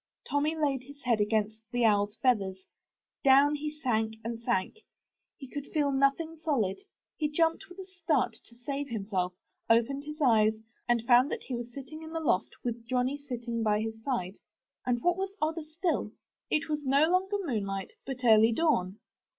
Tommy laid his head against the OwFs feathers. Down he sank and sank. He could feel nothing solid, — he jumped with a start to save himself, opened his eyes, and found that he was sitting in the loft with Johnny sleeping by his side. And what was odder still, it was no longer moonlight, but early dawn.